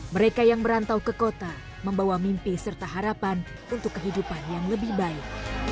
mereka yang merantau ke kota membawa mimpi serta harapan untuk kehidupan yang lebih baik